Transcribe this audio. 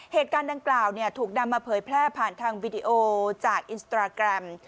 เหตุการณ์ดังกล่าวถูกนำมาเผยแพร่ผ่านทางวิดีโอจากอินสตราแกรม